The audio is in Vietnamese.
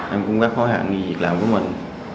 em cũng rất hối hạn vì việc làm của mình